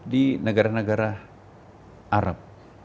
di negara negara arab